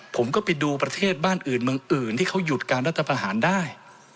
ผมก็ไปดูประเทศบ้านอื่นเมืองอื่นที่เขาหยุดการรัฐประหารได้